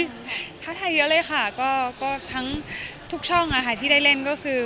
โอ้ท้าทายเยอะเลยท้าทายเยอะเลยค่ะก็ทั้งทุกช่องค่ะที่ได้เล่นก็คือ